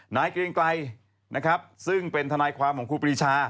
เกรงไกรนะครับซึ่งเป็นทนายความของครูปรีชา